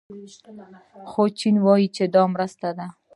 خو چین وايي چې دا مرسته ده.